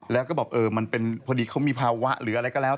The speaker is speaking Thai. แล้วก็แบบเออมันเป็นพอดีเขามีภาวะหรืออะไรก็แล้ว